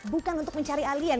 bukan untuk mencari alien